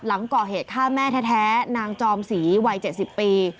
หลังก่อเหตุฆ่าแม่แท้นางจอมศรีวัย๗๐ปี